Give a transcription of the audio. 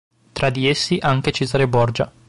Tra di essi anche Cesare Borgia.